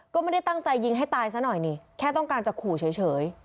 ก็ไม่ได้ตั้งใจยิงให้ตายซะหน่อยนี่แค่ต้องการจะขู่เฉย